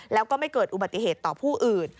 แล้วก็ไม่เกิดอุบัติเหตุต่อผู้อื่น